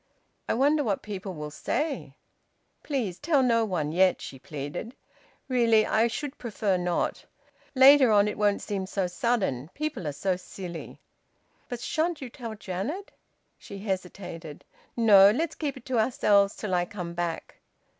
"I wonder what people will say!" "Please tell no one, yet," she pleaded. "Really, I should prefer not! Later on, it won't seem so sudden; people are so silly." "But shan't you tell Janet?" She hesitated. "No! Let's keep it to ourselves till I come back."